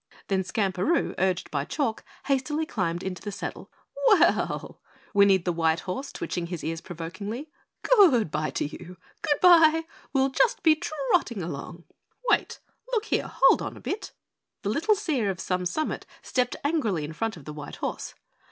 Then Skamperoo, urged by Chalk, hastily climbed into the saddle. "Well," whinnied the white horse, twitching his ears provokingly, "goodbye to you. Goodbye! We'll just be trotting along." "Wait! Look here, hold on a bit." The little Seer of Some Summit stepped angrily in front of the white horse.